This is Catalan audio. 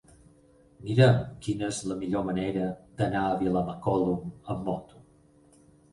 Mira'm quina és la millor manera d'anar a Vilamacolum amb moto.